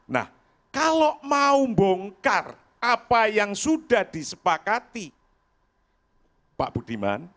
nah kalau mau bongkar apa yang sudah disepakati pak budiman